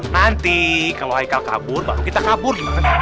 nanti kalau ikal kabur baru kita kabur